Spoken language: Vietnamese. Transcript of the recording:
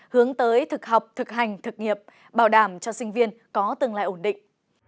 hướng tới thực học thực hành thực nghiệp bảo đảm cho sinh viên có tương lai ổn định